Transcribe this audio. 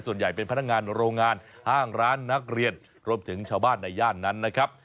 ส่วนใหญ่เป็นพนักงานโรงงานห้างร้านนักเรียนรวมถึงชาวบ้านในย่านนั้นนะครับ